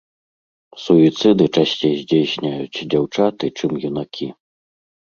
Суіцыды часцей здзяйсняюць дзяўчаты, чым юнакі.